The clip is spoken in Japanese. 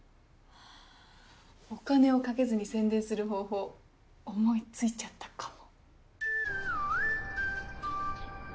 お金をかけずに宣伝する方法思い付いちゃったかも。